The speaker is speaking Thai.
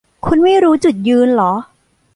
คุณไม่รู้จุดยืนหรอ